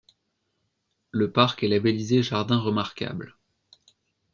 Le parc est labellisé Jardin remarquable.